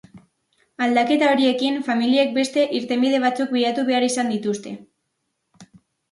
Aldaketa horiekin, familiek beste irtenbide batzuk bilatu behar izan dituzte.